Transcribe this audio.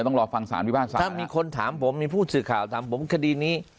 ต้องรอฟังสารพิพากษาถ้ามีคนถามผมมีผู้สื่อข่าวถามผมคดีนี้